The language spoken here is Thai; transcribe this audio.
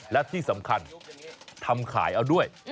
และที่สำคัญทำขายเอาด้วย